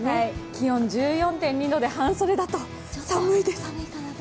気温１４．２度で、半袖だと寒いです。